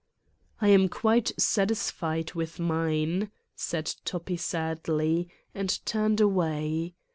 * "I am quite satisfied with mine," said Toppi sadly, and turned away.